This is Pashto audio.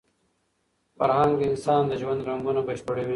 فرهنګ د انسان د ژوند رنګونه بشپړوي.